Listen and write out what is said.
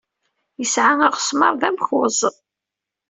Yesɛa aɣesmar d amkuẓ.